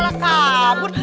itu juga sih aman dong